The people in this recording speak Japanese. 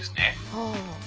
はい。